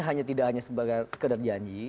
hanya tidak hanya sebagai sekedar janji